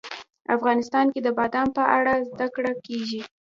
افغانستان کې د بادام په اړه زده کړه کېږي.